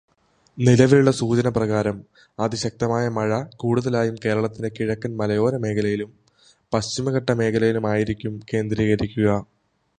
നിലവിലുള്ള സൂചനപ്രകാരം അതിശക്തമായ മഴ കൂടുതലായും കേരളത്തിന്റെ കിഴക്കൻ മലയോരമേഖലയിലും പശ്ചിമഘട്ടമേഖലയിലുമായിരിക്കും കേന്ദ്രീകരിക്കുക.